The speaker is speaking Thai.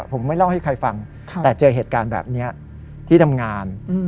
ผมไม่เล่าให้ใครฟังแต่เจอเหตุการณ์แบบนี้ที่ทำงาน